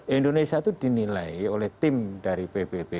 indonesia itu dinilai oleh tim dari pbb